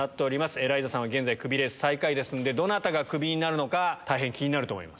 エライザさんは現在、クビレース最下位ですんで、どなたがクビになるのか、大変気になると思います。